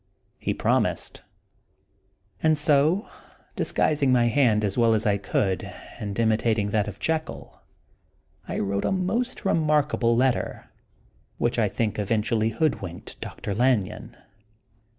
He promised ; and so, disguising my hand as well as I could, and imitating that of Jekyll, I wrote a most remarkable letter, which I think effectually hoodwinked Dr. Lanyon.